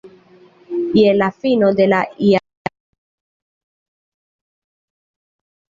Je la fino de la jarcento ili perdas sian utilon.